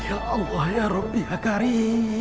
ya allah ya rabbi hakari